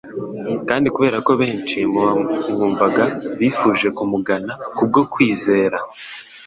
Kandi kubera ko benshi mu bamwumvaga bifuje kumugana kubwo kwizera,